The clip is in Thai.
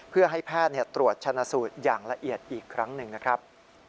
เพื่อให้แพทย์ตรวจชนะสูตรอย่างละเอียดอีกครั้งหนึ่งนะครับ